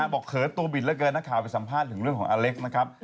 เขินตัวบิดเหลือเกินนักข่าวไปสัมภาษณ์ถึงเรื่องของอเล็กซ์นะครับ